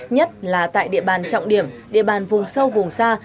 nhất là tại địa bàn trọng điểm địa bàn vùng sâu vùng xa